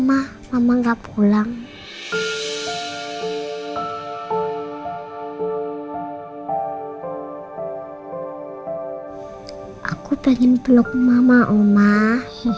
aku ingin pulang ya allah